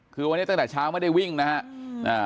คือวันนี้ตั้งแต่เช้าไม่ได้วิ่งนะครับ